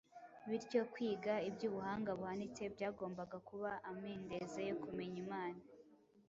Bityo, kwiga iby’ubuhanga buhanitse byagombaga kuba amendeze yo kumenya Imana,